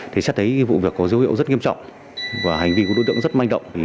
thì xét thấy vụ việc có dấu hiệu rất nghiêm trọng và hành vi của đối tượng rất manh động